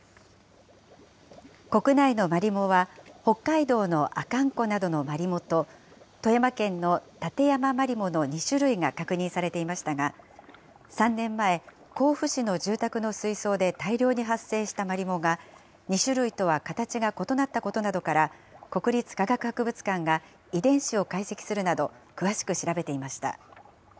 国内のマリモは、北海道の阿寒湖などのマリモと、富山県のタテヤママリモの２種類が確認されていましたが、３年前、甲府市の住宅の水槽で大量に発生したマリモが２種類とは形が異なったことなどから、国立科学博物館が遺伝子を解析するなど詳しく調べていました。